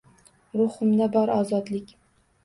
Ruhimda bor ozodlik.